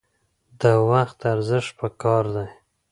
د وخت ارزښت پکار دی